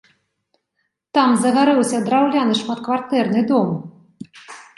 Там загарэўся драўляны шматкватэрны дом.